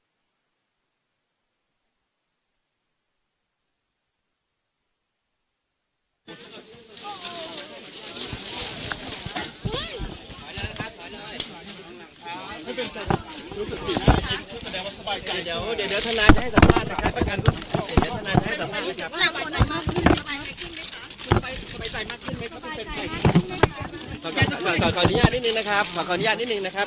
เดี๋ยวเดี๋ยวทนจะให้สัมภาษณ์นะครับ